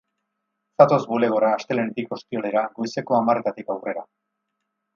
Zatoz bulegora, astelehenetik ostiralera, goizeko hamarretatik aurrera.